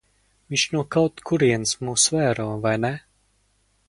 Viņš no kaut kurienes mūs vēro, vai ne?